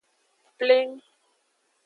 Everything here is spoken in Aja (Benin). Pleng.